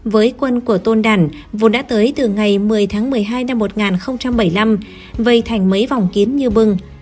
với quân của tôn đản vốn đã tới từ ngày một mươi tháng một mươi hai năm một nghìn bảy mươi năm vây thành mấy vòng kiến như bừng